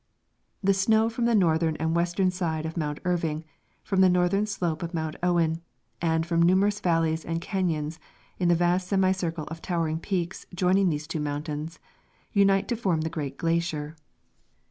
The snow from the northern and western sides of Mount Irving, from the northern slope of Mount Owen, and from numerous valleys and canons in the vast semicircle of towering peaks joining these two mountains, unite to form the great glacier.